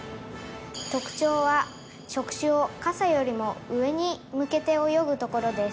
「特徴は触手を傘よりも上に向けて泳ぐところです」